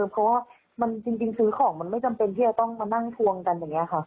เพราะว่าจริงซื้อของมันไม่จำเป็นที่จะต้องมานั่งทวงกันอย่างนี้ค่ะ